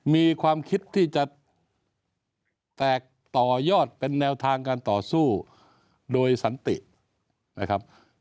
มีความคิดที่จะแตกต่อยอดเป็นแนวทางการต่อสู้โดยสันตินะครับ